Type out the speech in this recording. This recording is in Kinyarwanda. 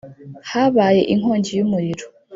habaye inkongi y umuriro .